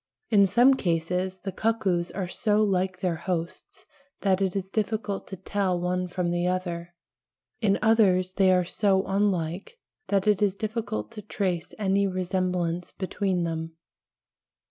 In some cases the cuckoos are so like their hosts that it is difficult to tell one from the other, in others they are so unlike that it is difficult to trace any resemblance between them.